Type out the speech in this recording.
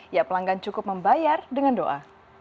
ya pelanggan cukup membayar dengan doa